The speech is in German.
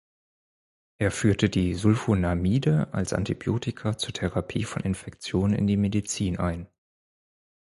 Er führte die Sulfonamide als Antibiotika zur Therapie von Infektionen in die Medizin ein.